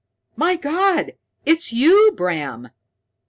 My God, it's you, Bram!"